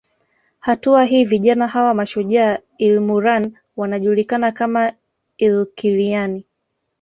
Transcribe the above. Hatua hii vijana hawa mashujaa ilmurran wanajulikana kama ilkiliyani